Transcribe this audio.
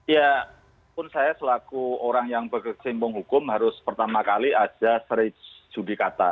ya pun saya selaku orang yang berkesimpung hukum harus pertama kali aja seri judi kata